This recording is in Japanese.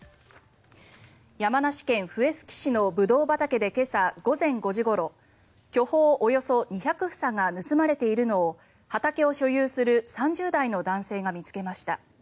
山梨県笛吹市のブドウ畑で今朝午前５時ごろ巨峰およそ２００房が盗まれているのを畑を所有する３０代の男性が見つけました。